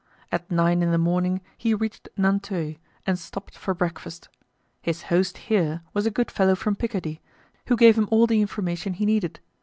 At nine in the morning he reached Nanteuil and stopped for breakfast. His host here was a good fellow from Picardy, who gave him all the information he needed.